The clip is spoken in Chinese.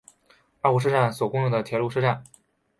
二户车站所共用的铁路车站。